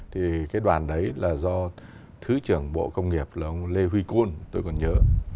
thì cái đoàn đấy là do thứ trưởng bộ công nghiệp là ông lê huy côn tôi còn nhớ